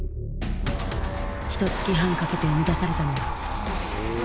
ひとつき半かけて生み出されたのは。